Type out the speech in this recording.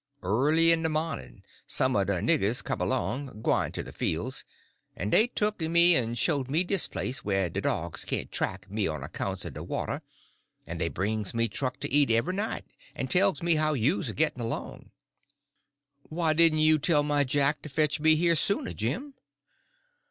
Early in de mawnin' some er de niggers come along, gwyne to de fields, en dey tuk me en showed me dis place, whah de dogs can't track me on accounts o' de water, en dey brings me truck to eat every night, en tells me how you's a gitt'n along." "Why didn't you tell my Jack to fetch me here sooner, Jim?"